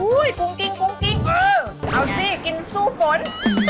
ว้วยปรุงกิ๊งเอาสิดิซู่ฝน